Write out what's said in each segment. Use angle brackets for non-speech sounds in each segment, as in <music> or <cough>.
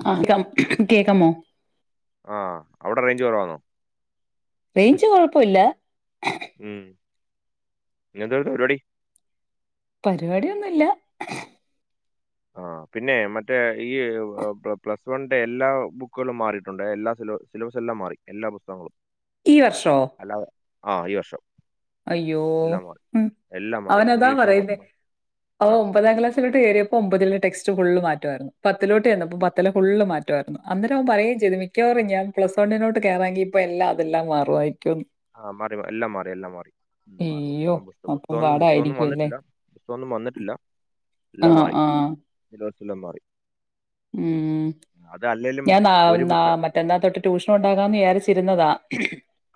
<unintelligible> കേക്കാമോ ആ അവിടെ റേഞ്ച് കൊറവാണോ റേഞ്ച് കൊഴപ്പില്ല ഉം <unintelligible> പരിപാടി പരിപാടിയൊന്നുല്ല ആ പിന്നെ മറ്റേ ഈ പ്ലസ് വൺന്റെ എല്ലാ ബുക്കുകളും മാറിയിട്ടുണ്ട് എല്ലാ സിലബസെല്ലാം മാറി എല്ലാ പുസ്തകങ്ങളും ഈ വർഷോ അല്ലാതെ ആ ഈ വർഷം അയ്യോ എല്ലാം മാറി. എല്ലാം മാറി. അവനതാ ഇംഗ്ലീഷും മ- പറയുന്നേ മ- ആ അവൻ ഒമ്പതാം ക്ലാസ്സിലോട്ട് കേറിയപ്പോ ഒമ്പതി ടെക്സ് <unintelligible> ഫുള്ള് മാറ്റായിരുന്നു പത്തിലലോട്ട് ചെന്നപ്പോൾ ഈ പത്തിലെ ഫുൾ മാറ്റം റ്റ അന്നേരം ഓൻ പറയും ചെയ്തു മിക്കാറ് ഞാൻ പ്ലസ് വണ്ണോട്ട് കയറാങ്ക ഇപ്പ എല്ലാം അതിലെല്ലാം മാറുആയിരിക്കുന്ന് ആ മാറി എല്ലാം മാറി എല്ലാം മാറി അയ്യോ അപ്പം പുസ്തകൊന്നും പുസ്തകൊന്നും പാടായിരിക്കും അല്ലേ വന്നിട്ടില്ല പുസ്തകമൊന്നും വന്നിട്ടില്ല ആ എല്ലാം മാറി ആ എല്ലാം മാറി ഉം അത് അല്ലേലും ഞാൻ ന ഒരു നാ ബുക്ക് മറ്റന്നാ തൊട്ട് ട്യൂഷൻ ഉണ്ടാകാന്ന് വിചാരിച്ചിരുന്നതാ <inaudible>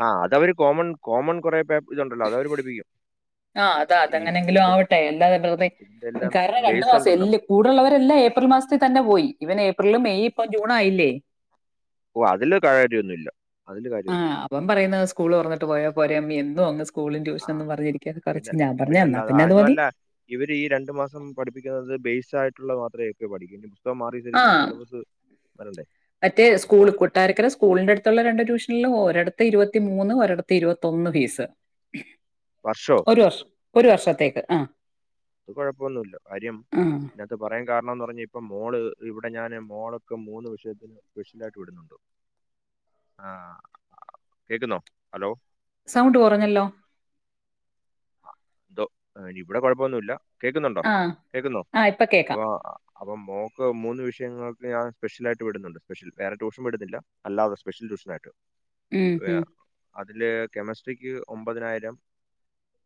ആ അതവര് കോമൺ കോമൺ കൊറെ പേ ഇതുണ്ടല്ലോ അതവര് പഠിപ്പിക്കും. ആ അതാ ഈ അതെങ്ങനെങ്കിലും ഇതിന്റെ ആവട്ടെ എല്ലാത വെറുതെ ഇതിന്റെ എല്ലാം കാരണം രണ്ടു ബേസ് ഉണ്ടല്ലോ. മാസംല്ല കൂടുള്ളവരെല്ലാം ഏപ്രിൽ മാസത്തിൽ തന്നെ പോയി ഇവൻ ഏപ്രിൽ മെയ് ഇപ്പ ജൂൺ ആയില്ലേ ഓ അതില് കാര്യമൊന്നുമില്ല അതില് ആ കാര്യമൊന്നും അവൻ പറയുന്ന സ്കൂള് റന്നിട്ട് പോയാ പോരമ്മ <inaudible> ആ പിന്നെ എന്നാ പിന്നല്ലാത പിന്നെ അത് മതി അതല്ല ഇവര് ഈ രണ്ടു മാസം പഠിപ്പിക്കുന്നത് ബേസ് ആയി മാത്രമ ഒക്കെ പഠിക്ക ആ മറ്റേ സ്കൂൾ അപ്പൊ കൊട്ടാരക്കര സ്കൂളിന്റെ അടുത്തുള്ള രണ്ടു ട്യൂഷനിലും ഓരോ ഇരുപത്തി മൂന്ന് ഒരിടത്ത് ഇരുപത്തൊന്ന് ഫീസ് വർഷോ ഒരു വർഷം ഒരു വർഷത്തേക്ക് ആ അത് കുഴപ്പൊന്നുമില്ല കാര്യം ആ ഇതിനകത്ത് പറയാൻ കാരണന്ന് പറഞ്ഞാ ഇപ്പ മോള് ഇവി ഞാൻ മോളൊക്കെ മൂന്ന് വിഷയത്തിന് സ്പെഷ്യലായിട്ട് വിടുന്നുണ്ട് ആ കേക്കുന്നോ ഹലോ സൗണ്ട് കുറഞ്ഞല്ലോ ആ ഇപ്പൊ ഇവിടെ കൊഴപ്പൊന്നുല്ല കേക്കുന്നുണ്ടോ ആ കേൾക്കുന്നോ ആ ഇപ്പൊ കേക്കാം വ അപ്പം മോക്ക് മൂന്ന് വിഷയങ്ങൾക്ക് ഞാൻ സ്പെഷ്യലായിട്ട് വിടുന്നുണ്ട് സ്പെഷ്യൽ വേറെ ട്യൂഷൻ വിടുന്നില്ല അല്ലാതെ സ്പെഷ്യൽ ട്യൂഷനായിട്ട് ഉം ഉം വേ- അതില് കെമിസ്ട്രിക്ക് ഒമ്പതിനായിരം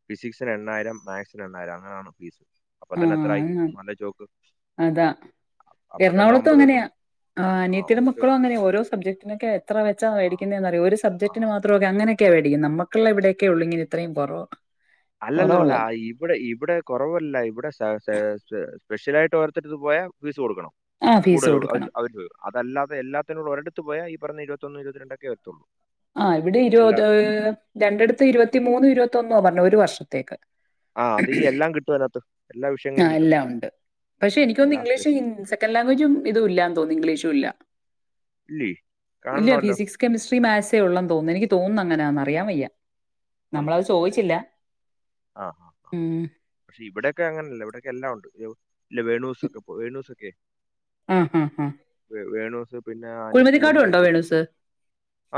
ഫിസിക്സിന് എണ്ണായിരം മാത്സിന് എണ്ണായിരം അങ്ങനെയാണ് ഫീസ് അപ്പൊ ആ തന്നെ എത്രയായി നല്ല ചോക്ക് അതാ അപ്പൊ തന്നെ എറണാകുളത്തും ഒമ്പത് തൊട്ടും അങ്ങനെയാ ആ അനിയത്തിയുടെ മക്കളും അങ്ങനെയ ഓരോ സബ്ജക്ടിനൊക്കെ എത്ര ച്ചാ ആ, വേടിക്ന്നേ അറിയോ ഒരു ആ. സബ്ജെക്ടിന് മാത്രോക്കെ അങ്ങനെ ക്കെ മേടിക്കും നമ്മക്കുള്ള ഇവിടെക്കെ ഉള്ളൂ ഇത്രയും കുറവ് അല്ലല്ലല്ല ഇവിടെ ഇവിടെ കുറവല്ല ഇവിടെ സ് <unintelligible> സ്പെഷ്യല ആയിട്ട് ഓർത്തിട്ട് പോയാൽ ഫീസ് കൊടുക്കണം ആഹ് ഫീസ് കൂടുതലുള്ളത് അവര് കൊടുക്കണം അവര് അതല്ലാതെ എല്ലാത്തിനോട് ഒര്ട് ത്ത് പോയാ ഈ പറഞ്ഞ ഇരുപത്തൊന്ന് ഇരുപ രണ്ടൊക്കെത്തുള്ളൂ ആ ഇവിടെ ഇരുപത് രണ്ടിടത്ത് ഇരുപത്തിമൂന്ന് ഇരുപത്തിന്നാ പറഞ്ഞെ ഒരു വർഷത്തേക്ക് ആ അത് ഹ് ഈ ഹ് എല്ലാം കിട്ടും അതിനകത്ത് എല്ലാ ആ വിഷയങ്ങളും കിട്ടും എല്ലാം ഉണ്ട് പക്ഷെ ഉം. എനിക്ക് അല്ല തോന്നുന്ന് സ്പെഷ്യൽ ഇംഗ്ലീഷും സെക്കൻ് ലാംങ്യേജും ഇും ഇല്ല ന്ന് തോന്നുന്നു ഇംഗ്ലീഷും ഇല്ല ഇല്ലേ ഇല്ല കാണണമല്ലോ ഫിസിക്സ് കെമിസ്ട്രി മാത്സ് തോന്ന എനിക്ക് തോന്നുന്നു അങ്ങനാന്ന് അറിയാൻവയ്യ അന്നോ നമ്മളത് ചോദിച്ചില്ല ആ ആ ഉം പക്ഷെ ഇവിടൊക്കെ അങ്ങനെയല്ല ഇവിടെ എല്ലാം ഉണ്ട് എവി ഇല്ല വേണൂസൊക്കെ വേണൂസൊക്കെ ആ ആ ആ ഉം. വേ- വേണൂസ് പിന്നെ അന്റെ സ്കൂളിന്റെ കൊ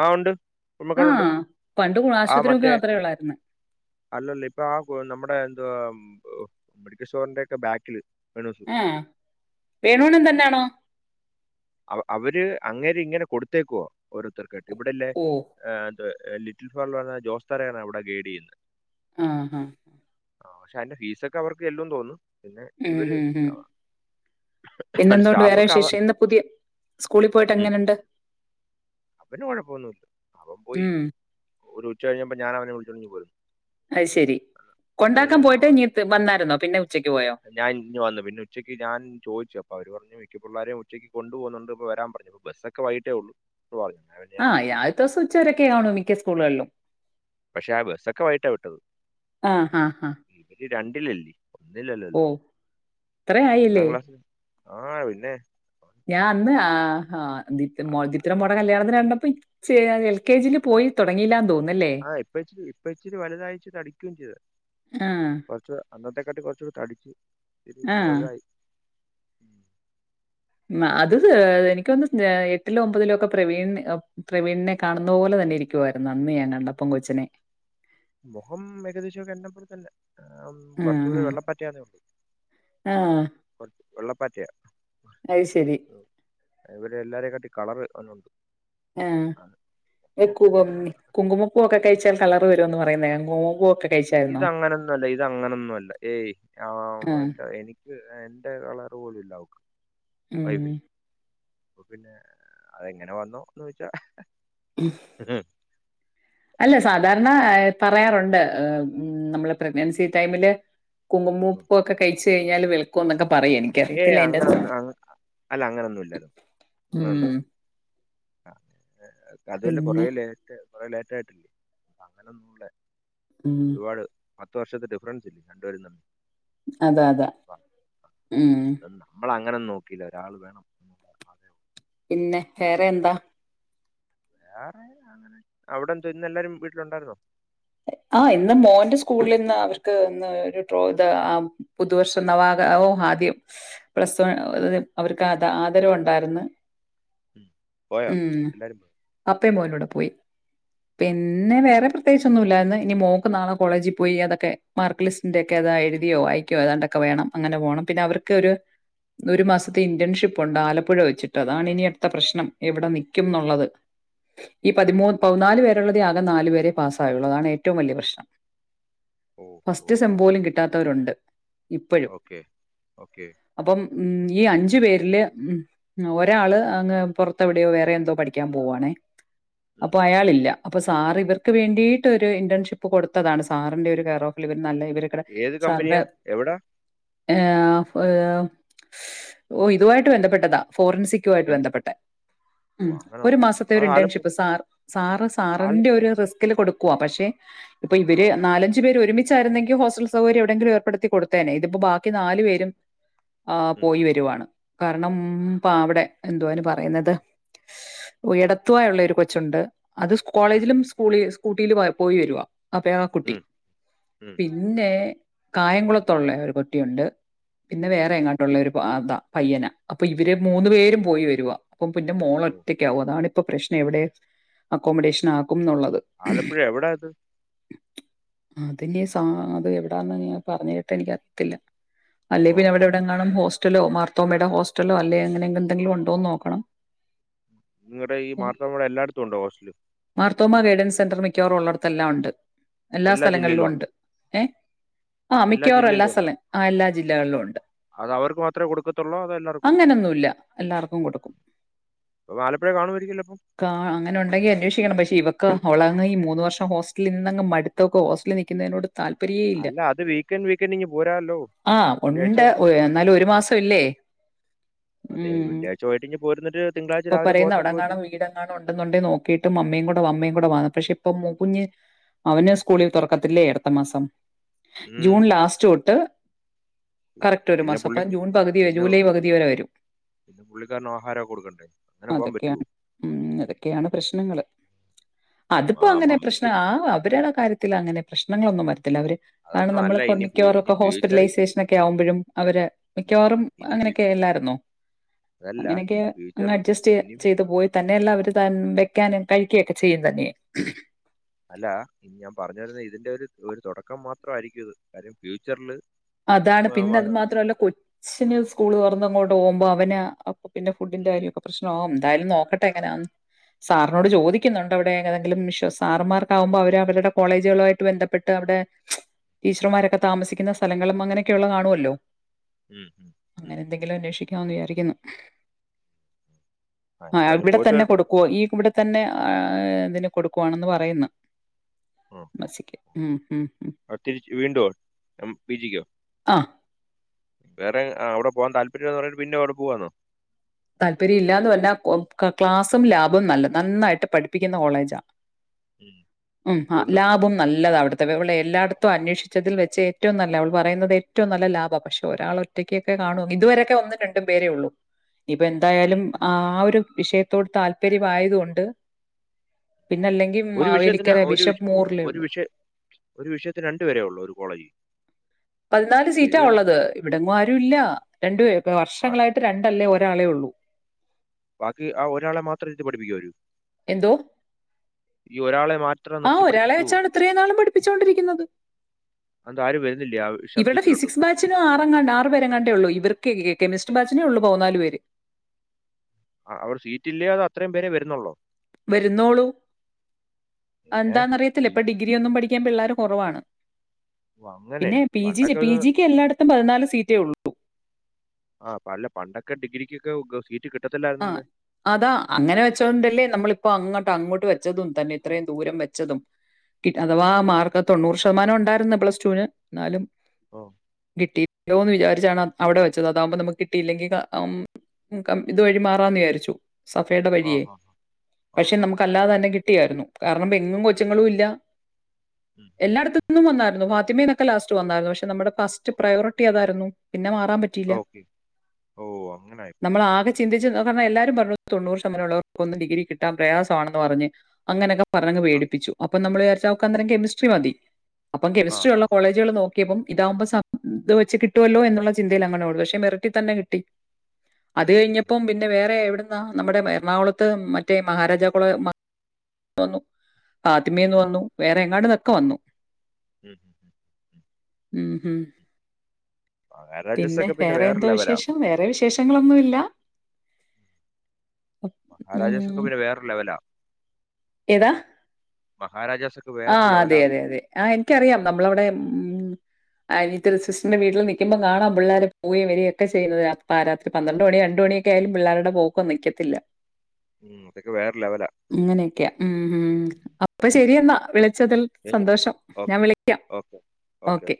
ആ ഉണ്ട് ഉമ്മക്കണ ഉണ്ട് ആഹ് പണ്ട് കു- ആ ആശുപത്രി മുക്ക് മറ്റേ മാത്രമേ ഉള്ളായിരുന്നു അല്ലല്ലോ <unintelligible> നമ്മുടെ എന്തുവാ ഏ മെഡിക്കൽ ഷോറിന്റെ ഒക്കെ ബാക്കില് ആ വേണുണെന്താണോ ഇത് ഇങ്ങന കൊടുത്തേക്കുവാ ഓരോരുത്തർ കേട്ട് ഇവിടെല്ലേ ഓ ആ <unintelligible> ലിറ്റിൽ ഫാർ പറഞ്ഞ ജോസ് താരാണ് അവിടെ ഗൈഡ് ചെയ്യുന്നത് ആ ആ ആ പക്ഷെ അന്റെ ഫീസൊക്കെ അവർക്ക് എല്ലും തോന്ന് ഉം ഉം ഉം പിന്നെ എന്തൊണ്ട് വേറെ സ്റ്റാഫൊക്കെ അവ വിശേഷം ഇന്ന് പുതിയ സ്കൂളില് പോയിട്ട് ഉം, എങ്ങനുണ്ട് അവന് കുഴപ്പൊന്നുമല്ല അവൻ പോയി ഉം ഒരു ഉച്ച കഴിഞ്ഞപ്പോ ഞാൻ അവനെ വിളിച്ചുകൊണ്ടിങ്ങ് പോന്നു അത് ശെരി കൊണ്ടാക്കാൻ പോയിട്ട് ഇരുന്നോളാൻ. ഇങ്ങ് വന്നായിരുന്നോ പിന്നെ ഉച്ചക്ക് പോ ഞാൻ ഇങ്ങ് വന്നു പിന്നെ ഉച്ചയ്ക്ക് ഞാൻ ചോദിച്ചു അപ്പോ അവര് പറഞ്ഞു പിള്ളാരെ ഉച്ചക്ക് കൊണ്ടു പോകുന്നുണ്ട് ഇപ്പോ വരാൻ പറഞ്ഞു ബസൊക്കെ വൈകിട്ടേ ഉള്ളൂ എന്ന് പറഞ്ഞു. അങ്ങനെ പിന്നെ ഞാൻ ആ ആദ്യത്തെ ദിവസം ഉച്ചരൊക്കെ കാണൂ മിക്ക സ്കൂളുകളിലും പക്ഷെ ആ ബസ്സൊക്കെ വൈകിട്ടാ വിട്ടത് ആ ഹാ ഹാ രണ്ടിലല്ലേ ഓ ഒന്നിലല്ലല്ലോ ഇത്ര ഒന്നാം ആയില്ലേ ക്ലാസ്സിൽ ആ പിന്നെ ഞാൻ അന്ന് ആ ആ ദിത്ര മോടേ കല്യാണത്തിന് കണ്ടപ്പോ ഇച്ചേ എൽ കെ ജിൽ പോയി തുടങ്ങിയില്ലാന്ന് തോന്നുന്നു ആ ഇപ്പ ഇച്ചിരി ഇപ്പ ഇച്ചിരി വലുതായി തടിക്കുകയും ചെയ്തു ആ കുറച്ചൂ അന്നത്തെക്കാട്ട് കുറച്ചൂടി തടിച്ചു ഇപ്പോ ആ വലുതായി ഉം ഉം. അത് ഏ എനിക്കൊന്ന് എട്ടിലോ ഒമ്പതിലോ ഒക്കെ പ്രവീൺ പ്രവീണിനെ കാണുന്ന പോലെ തന്നെ ഇരിക്കുവായിരുന്നു അന്ന് ഞാൻ കണ്ടപ്പം കൊച്ചിനെ മുഖം ഏകദേശം എന്നെപ്പോലെ തന്നെ കുറച്ചു ആഹാ. കൂടെ വെള്ളപ്പാറ്റ ആണെന്നേയുള്ളു ആ. വെള്ളപ്പാറ്റയാ അത് ശരി എല്ലാരേ കാട്ടി കളർ അവന് ഉണ്ട് ആ എ കു എന്നെ പോലെ കുങ്കുമപ്പൂക്കെ കഴിച്ചാൽ കളർ വരുമെന്ന് പറയുന്നേയാ <unintelligible> ഇതങ്ങനെയൊന്നും അല്ല ഇതങ്ങനൊന്നും അല്ല ഏയ് ആ എ എനിക്ക് എന്റെ കളർ പോലും ഇല്ല അവക്ക് ഉം വൈഫിന് അപ്പൊ പിന്നെ അതെങ്ങനെ വന്നോ ന്ന് ചോദിച്ചാ <unintelligible> അല്ല സാധാരണ എ പറയാറുണ്ട് ഏ നമ്മൾ പ്രഗ്നൻസി ടൈമില് കുങ്കുമ പൂവൊക്കെ കഴിച്ച് കഴിഞ്ഞാല് വെള് ഏ അങ്ങനൊന്നും അങ്ങ അ അല്ല അങ്ങനൊന്നൂല്ലാലോ ഉം. അങ്ങനൊന്നുല്ല അ അതൊല്ല പിന്നെ കൊറേ ലേറ്റ് കൊറേ ലേറ്റ <unintelligible> അങ്ങനെ ഒന്നൂടെ <unintelligible> പത്ത് വർഷത്തെ ഡിഫറൻസ് ഇല്ലേ രണ്ടുപേരും തമ്മിൽ അതാ അതാ ഉം അങ്ങനൊന്നും നോക്കിയില്ല ഒരാളു വേണം അതേ ഉള്ളൂ പിന്നെ വേറെന്താ വേറെ അങ്ങനെ അവിടെ എന്ത ഇന്ന് എല്ലാരും വീട്ടിലുണ്ടായിരുന്നോ ആഹ് ഇന്ന് മോന്റെ സ്കൂളിൽ ഇന്ന് അവർക്ക് ഇന്ന് ഒരു ഡ്രോ ഇത് ആ പുതുവർഷം നവാകോ ആദ്യം പ്ലസ് വൺ ഉം, <unintelligible> അവർക്ക് അത ആദരം ഉണ്ടാരുന്നു ഉം. പോയോ ഉം- എല്ലാരും പോയോ പപ്പേം മോനുടെ പോയി ആ, പിന്നെ വേറെ പ്ര ഒന്നൂല്ലാന്നെ ഇനി മോൾക്ക് നാളെ കോളേജി പോയി അതൊക്കെ മാർക്ക് ലിസ്റ്റിന്റെക്കെ അതാ എഴുതിയോ വായിക്കുകയോ ഏതാണ്ടൊക്കെ വേണം അങ്ങനെ പോണം. പിന്നെ അവർക്ക് ഒരു ഒരു മാസത്തെ ഇന്ടെൻ ഷിപ്പ് ഉണ്ട് ആലപ്പുഴ വെച്ചിട്ട് അതാണ് ഇനിത്ത പ്രശ്നം എവിടെ നിക്കും എന്നുള്ളത് ഈ പതിമൂന്ന് പതിനാല് പേരുള്ളതി ആകെ നാല് പേരെ പാസായി <unintelligible> താണ് ഏറ്റവും വലിയ പ്രശ്നം ഓ ഓ ഫസ്റ്റ് സെം ഓ പോലും കിട്ടാത്തവരുണ്ട് ഇപ്പഴും ഓക്കെ ഓക്കെ അപ്പം ഉ ഈ അഞ്ചു പേരില് ഉം ഒരാള് അങ്ങ് പുറത്ത് എവിടെയോ വേറെ എന്തോ പഠിക്കാൻ പോവാണേ അപ്പൊയാളില്ല അപ്പൊ സാറിവർക്ക് വേണ്ടി ട്ട് ഒരു ഇന്റേൺഷിപ്പ് കൊടുത്തതാണ് സാറിന്റെ ഒരു കെയർഓഫിൽ ഇവർ നല്ല ഇവരുടെ ഏത് കമ്പനിയാ എവിടാ <unintelligible> ഇതു വായിട്ട് ബന്ധപ്പെട്ടതാ ഫോറൻസിക്കുമായിയിട്ട് കെമി ബന്ധപ്പെട്ടേ ഉം ഓഹ് ഒരു അങ്ങനെയുള്ള. മാസത്തെ അത് ഒരു ആലപ്പു ഇന്റേൺഷിപ്പ് സാർ സാറ് സാറിന്റെ ആലപ്പു ഒരു റിസ്കിൽ കൊടുക്കു കുവാ പക്ഷെ ഇപ്പൊ ഇവര് ആഹ്. നാലഞ്ച് പേര് ഒരുമി ആരുന്നെങ്കിൽ ഹോസ്റ്റൽ സൗകര്യം ഏർപ്പെടുത്തി കൊടുത്തേനെ ഇതിപ്പോ ബാക്കി നാലു ഉം. പേരും ആ ഉം. പോയിവരുവാണ് കാരണം പ്പാ അവിടെ എന്തുവാതിന് പറയുന്നത് ഉയടത്തുവായുള്ള ഒരു കൊച്ചുണ്ട് അത് ഉം. സ്കോളേജിലും സ്കൂളി കൂടില് പോയ പോയി വരുവാ അപ്പൊയാ ആ കുട്ടി ഉം. പിന്നെ കായംകുളത്തുള്ള ഒരു കുട്ടിയുണ്ട് പിന്നെ ഉം. വേറെ എങ്ങട്ടോള്ളോരു അതാ പയ്യനാ അപ്പൊ ഇവര് മൂന്നു ഓഹ്. പേരും പോയി വരുവാ പ്പം പിന്റെ ഓഹ്. മോളൊറ്റക്കാവും അതാണ് പ്പൊ പ്രശ്നം എവിടെ അക്കോമഡേഷൻ ആക്കുംന്നുള്ളത് ആലപ്പുഴ എവിടാ ഇത് അത് സ അത് എവിടാന്ന് ഞാ പറഞ്ഞ കേട്ട് എനിക്കത്തില്ല അല്ലെ ഓഹ്. ഓഹ്. പിന്നെവിടെവിടെങ്ങാണും ഹോസ് സ്റ്റലോ മാർത്തോമയുടെ ഹോസ്റ്റലോ അല്ലെ എങ്ങനെെന്തങ്കിലും ഉണ്ടോന്ന് നോക്കണം നിങ്ങടെ ഈ മാർത്തമ്മവിടെ എല്ലായിടെത്തും ഉണ്ടോ ഹോസ്റ്റല് <unintelligible> സെന്ററ് മിക്കവാറും ഉള്ളടത്തെല്ലാം ഉണ്ട് എല്ലാ സ്ഥലങ്ങളിലും ജില്ലയിലും ഉണ്ടോ? ഉണ്ട് ഏ ആ മിക്കവാറും എല്ലാ ജില്ലയിലും ഉണ്ടോ? സ്ഥലം ആ എല്ലാ ജില്ലകളിലും ഉണ്ട് അത് അവർക്ക് മാത്രമേ കൊടുക്കത്തുള്ളോ? അതോ എല്ലാവർക്കും കൊടുക്കോ? അങ്ങനൊന്നുല്ല എല്ലാർക്കും കൊടുക്കും അപ്പൊ ആലപ്പുഴ കാണുമായിരിക്കുമല്ലോ അപ്പം? കാ അങ്ങനെ ഉണ്ടെങ്കി അന്വേഷിക്കണം പക്ഷെ ഇ അവളാന്നെങ്കി മൂന്ന് വർഷം ഹോസ്റ്റലിൽ നിന്നങ്ങ് മട്ത്തവക്ക് ഹോസ്‌റ്റ്‌ലി നിക്ക്ന്നയ്നോട് താല്പര്യേ ഇല്ല അല്ല അത് വീക്കെൻഡ് വീക്കെൻഡ് ഇങ്ങ് പോരാല്ലോ. ആ വെള്ളിയാഴ്ച ഒണ്ട് എന്നാലും ഒരു മാസംല്ലേ അതെ ഉം വെള്ളിയാഴ്ച വൈകിട്ട് ഇങ്ങ് പോരുന്നിട്ട് തിങ്കളാഴ്ച ഇപ്പൊ രാവിലെ പറയുന്ന പോകത്തക്ക അവിടെങ്കാണോ വിധത്തിൽ വീടെങ്കാണോ ഉണ്ടെന്നുണ്ടെ നോക്കിട്ടും മമ്മിയും കൂടെ മമ്മയും പക്ഷെ ഇപ്പൊ മോ കുഞ്ഞ് അവന് സ്കൂളിൽ തുറക്കത്തില്ലേ അടുത്ത മാസം ജൂൺ ലാസ്റ്റ് തൊട്ട് കറക്റ്റ് ഒരു പിന്നെ മാസം അപ്പൊ പുള്ളിക്ക് ജൂൺ പകുതി പിന്നെ ജൂലൈ പകുതി വരെ വരും പിന്നെ പുള്ളിക്കാരന് ആഹാരമൊക്കെ കൊടുക്കണ്ടേ? അങ്ങനെ പോകാൻ പറ്റോ? അതൊക്കെയാണ് ഉം അതൊക്കെയാണ് പ്രശ്നങ്ങള് അം അതിപ്പോ ആഹ് അങ്ങനെ മമ്മിക്ക് പ്രശ്നം ആ അവരുടെ കാര്യത്തിലങ്ങനെ പ്രശ്ന നിങ്ങളൊന്നും മ ത്തില്ല അവര് ആണ് അതൊന്നും നമ്മള് അല്ല ക്കൊ ഇനി ഫ്യൂ- ഇനി മിക്കവാറൊക്കെ ഫ്യൂച്ചർ ഇനി ഹോസ്പിറ്റലൈസേഷനെക്കെ ആവുമ്പഴും അവര് ഇനി മിക്കവാറും ഇനി ഫ്യൂ- അങ്ങനെയൊക്കെല്ലായ്രുന്നോ അതല്ല അങ്ങനെയൊക്കെ ഇനി അങ്ങ് ഫ്യൂച്ചറിൽ അഡ്ജസ്റ്റ് ചെയ് ഇനി ഫ്യൂ- ചെയ്തു പോയി തന്നെല്ലാം ഇനി അവര് ത വെക്കാനും കഴിക്കക്കെ ചെയ്യും തന്നെയ അല്ല ഇനി ഞാൻ പറഞ്ഞ് വരുന്നെ ഇതിന്റെ ഒര് ഒരു തുടക്കം മാത്രായിരിക്കുംത് കാര്യം ഫ്യൂച്ചർല് അതാണ് പിന്നെ അത് മാത്രല്ല കൊച്ചന് സ്കൂള് തുറന്നങ്ങോട്ട പോകുമ്പോ അവന് പിന്നെുഡിന്റെ കാര്യൊക്കെശ്നോം എന്തായാലും നോക്കട്ടെ എങ്ങനെയാ സാറിനോട് ചോദിക്കുന്നുണ്ട് അവിടെ ഏതെങ്കിലും സാർമാർക്ക ആകുമ്പോൾ അവര് അവരുടെ കോളേജുകളു ആയിട്ട് ബന്ധപ്പെട്ട് അവിടെ ടീച്ചർമാരൊക്കെ താമസിക്കുന്ന സ്ഥലങ്ങളും അങ്ങനെയൊക്കെയ ഉള്ള കാണുമല്ലോ ഉം ഉം ന്ന് വിചാരിക്കുന്നു ആ എന്തായാലും ഇവിടെ പോയിട്ട് തന്നെ വരട്ടെ കൊടുക്കുവോ ഈ ഇവിടെ തന്നെ ആ ഇതിന് കൊടുക്കുവാണെന്ന് പറയുന്നു ആ മസിക്ക് ഉം, ഉം, ഉം. അ തിരിച്ച് വീണ്ടോ ആ വേറെ ആവി പോവാൻ താല്പര്യം എന്ന് പറഞ്ഞട്ട് പിന്നെ അവിടെ പോവാന്നോ താല്പര്യം ഇല്ലാന്ന് പറഞ്ഞ ക്ലാസും ലാബും നല്ല നന്നായിട്ട് പഠിപ്പിക്കുന്ന കോളേജാണ് ഉം. ഉം ആ എന്തുകൊണ്ട് ലാഭം നല്ലത അവിടുത്തെ എല്ലായിടത്തും അന്വേഷിച്ചതിൽ വെച്ച് ഏറ്റവും നല്ല അവൾ പറയുന്നത് ഏറ്റവും നല്ല ലാഭം പക്ഷെ ഒരാൾ ഒറ്റക്കൊക്കെ കാണൂ ഇതുവരൊക്കെ ഒന്നും രണ്ടും പേരേ ഉള്ളൂ ഇനീപ്പൊ ഉം. എന്തായാലും ആ ആ ഒരു വിഷയത്തോട് താല്പര്യമായതോണ്ട് പിന്നെ അല്ലെങ്കിൽ ഒരു വിഷയത്തിന് മാവേലിക്കര ഒരു ബിഷപ്പ് വിഷ- മോറിലേ ഒരു ഉള്ളൂ. വിഷയ ഒരു വിഷയത്തിന് രണ്ടുപേരേ ഉള്ളൂ ഒരു കോളേജിൽ പതിനാല് സീറ്റാ ശരിയല്ലേ ഉള്ളത് ഇവിടെങ്ങും ആരു ഇല്ല രണ്ട് വർഷങ്ങളായിട്ട് രണ്ടല്ലേ ഒരാളെ ഉള്ളൂ ബാക്കി ആ ഒരാളെ മാത്രം ഇരുത്തി പഠിപ്പിക്കു അവര് എന്തോ ഈ ഒരാളെ മാത്രം ആ നിർത്തി ഒരാളെ പഠിപ്പിക്കുവോ വെച്ചാണ് ഇത്രേ നാളും പഠിപ്പിച്ചൊണ്ടിരിക്കുന്നത്. അത് ആരും വരുന്നില്ലേ ആ ഇവിടെ സബ്ജക്റ്റിലോട്ട് ഫിസിക്സ് ബാച്ചിനും ആറങ്ങാണ്ട് ആറുപേരെങ്ങാണ്ടേ ഉള്ളു ഇവർക്ക് കെമിസ്ട്രി ബാച്ചിനേ ഉള്ളൂ പൗന്നാല് പേര് ആ അവടെ സീറ്റല്ലേയൊ അതെ അത്രയും പേരെ വര വരുന്നോള്ളോ വരുന്നോളൂ ഏ അതെന്താന്നറിയത്തില്ല പി- ഇപ്പൊ ഡിഗ്രി ഒന്നും പഠിക്ക പഠിക്കാൻപിള്ളേർ കുറവാണ് ഓ, അങ്ങനെ പിന്നെ പി ജി പണ്ടൊക്കെ ഒരു- പിജിക്ക് എല്ലാട്ത്തും പതിനാല് സീറ്റേ ഉള്ളൂ ആ പ അല്ല പണ്ടൊക്കെ ഡിഗ്രിക്കൊക്കെ സീറ്റ് കിട്ട ആ അതാ അങ്ങനെ വെച്ചോണ്ടല്ലേ നമ്മളിപ്പോ അങ്ങട്ട് അങ്ങോട്ട് വെച്ചതും തന്നെ ഇത്രയും ദൂരം വെച്ചതും അഥവാ ഓ മാർക്ക് തൊണ്ണൂറ് ശ ശതമാനം ഉണ്ടാരുന്ന് പ്ലസ് ടൂന് എന്നാലും ഓ കിട്ടീല്ലോന്ന് ഓക്കെ വിചാരിച്ചാണ് അവിടെ വ താകുമ്പോ നമുക്ക് കിട്ടിയില്ലെങ്കിൽ ഇത് വഴി മാറാന്ന് വിചാരിച്ചു സഭയുടെ ആ വഴിയെ ആ ആ പക്ഷെ ആ നമുക്ക് ആ അല്ലാതെ ആ. തന്നെ കിട്ടിയായിരുന്നു കാരണം ഇപ്പ എങ്ങും ഉം, കൊച്ചങ്ങളും ഇല്ല ഉം, ഉം, ഉം. എല്ലായിടത്തിന്നും വന്നായിരുന്നു <unintelligible> ലാസ്റ്റ് വന്നാരുന്നു പക്ഷെ നമ്മുടെ ഫസ്റ്റ് പ്രയോറിറ്റി അതായിരുന്നു പിന്നെ മാ ഓക്കെ ഓഹ് അങ്ങനായിപ്പോയി അതാ പറഞ്ഞെ എല്ലാരും പറഞ്ഞു തൊണൂറ് ശമാനമുള്ളവർക്കൊന്നും ഡിഗി കിട്ടാൻ പ്രയാസമാണെന്ന് പറഞ്ഞ് അങ്ങനെക്കെ പറഞ്ഞങ്ങ് ആ പേടിപ്പിച്ചു അപ്പ നമ്മൾ വിചാരിച്ച് അവക്കന്നേരം അന്നേരം കെമിസ്ട്രി മതി അപ്പം ആ കെമിസ്ട്രിയുള്ള ആ കോളേജുകൾ നോക്കി ഇതാവുമ്പോ സ ഇത് വച്ചു വെച്ച് കിട്ടുമല്ലോ എന്നുള്ള ചിന്തയിൽ അങ്ങനെേ ഉള്ളൂ പക്ഷെ മെരിറ്റി തന്നെ കിട്ടി അത് കിട്ടി കഴിഞ്ഞപ്പം പിന്നെ വേറെ എവിടുന്നാ നമ്മുടെ എറണാകുളത്ത് മറ്റേ മഹാരാജാകോളേ ആദ്യമേന്നു വന്നു വേറെ എങ്ങാണ്ട് ക്കൊ വന്നു മ് മ് ഹും മഹാരാജാസ് പിന്നെ ഒക്കെ വേറെ വേറെന്തോ ലെവലാ വിശേഷം വേറെ വിശേ വിശേഷങ്ങളൊന്നുല്ല മഹാരാജാസൊക്കെ പിന്നെ വേറെ ലെവലാ ഏതാ മഹാരാജാസ് ഒക്കെ വേറെ ആഹ് അതെ ലെവലാന്ന് അതെ അതെ ആ എനിക്കറിയാം നമ്മളവിടെ മ് ആ അനീത്തീടെ സിസ്റ്ററിന്റെ വീട്ടിൽ നിക്കുമ്പോ കാണാം പിള്ളാരൊക്കെ പോയിവരികയും ഒക്കെ ചെയ്യുന്നത് പാരാത്രി ഉം, പന്ത്രണ്ട് മണി രണ്ട് മണി ഏലും പിള്ളാരുടെ പോക്ക് നിക്കത്തില്ല ഉം, അതൊക്കെ വേറെ ലെവലാ ഇങ്ങനെക്കെയേ ഉം ഉം അപ്പൊ ശരിയെന്നാ വിളി ച്ചതിൽ സന്തോഷം ഞാൻ ഓക്കെ വിളിക്കാം ഓക്കെ